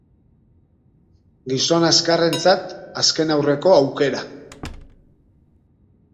Gizon azkarrentzat azken aurreko aukera.